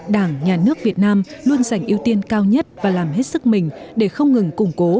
đảng nhà nước việt nam luôn dành ưu tiên cao nhất và làm hết sức mình để không ngừng củng cố